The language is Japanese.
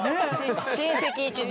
親戚一同？